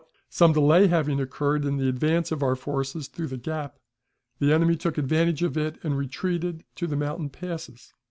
But, some delay having occurred in the advance of our forces through the gap, the enemy took advantage of it and retreated to the mountain passes.